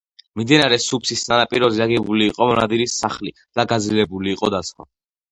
მდინარე სუფსის სანაპიროზე აგებული იყო მონადირის სახლი და გაძლიერებული იყო დაცვა.